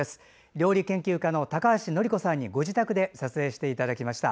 料理研究家の高橋典子さんにご自宅で撮影していただきました。